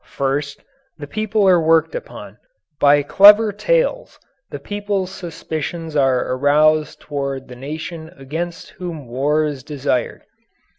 First, the people are worked upon. By clever tales the people's suspicions are aroused toward the nation against whom war is desired.